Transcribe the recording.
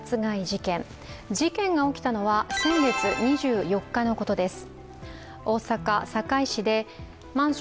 事件が起きたのは先月２４日のことです。